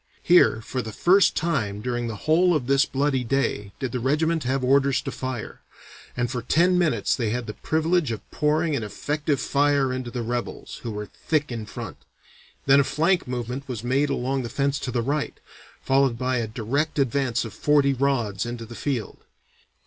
Here, for the first time during the whole of this bloody day, did the regiment have orders to fire, and for ten minutes they had the privilege of pouring an effective fire into the rebels, who were thick in front. Then a flank movement was made along the fence to the right, followed by a direct advance of forty rods into the field.